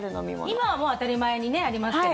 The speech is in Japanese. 今はもう当たり前にありますけど。